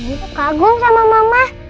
aduh kagum sama mama